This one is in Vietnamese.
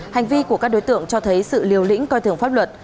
hành vi của các đối tượng cho thấy sự liều lĩnh coi thường pháp luật